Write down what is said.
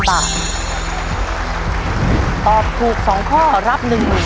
ตอบถูก๒ข้อรับ๑๐๐๐บาท